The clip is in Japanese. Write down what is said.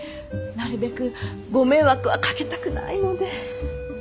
なるべくご迷惑はかけたくないので。